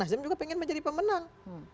nasdem juga pengen menjadi pemenang